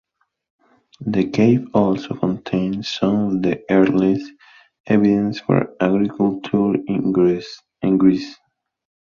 The cave also contains some of the earliest evidence for agriculture in Greece.